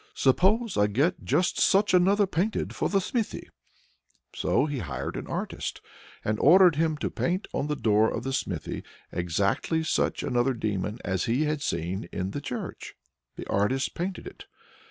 "Suppose I get just such another painted for the smithy." So he hired an artist, and ordered him to paint on the door of the smithy exactly such another demon as he had seen in the church. The artist painted it.